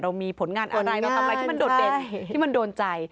มีผลงานอะไรเราทำอะไรที่มันโดดเด่นที่มันโดนใจ